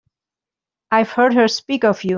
I've heard her speak of you.